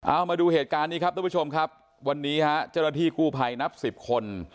เอามาดูเหตุการณ์นี้ครับทุกผู้ชมครับวันนี้ฮะเจ้าหน้าที่กู้ภัยนับสิบคน